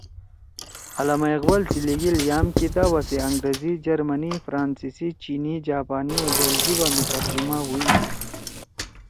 علامہ اقبال سی لیِگیل یام کتابا سی انگریزی، جرمنی، فرانسیسی، چینی، جاپانی او دأل جیِبا می ترجُمہ ہُوئی دی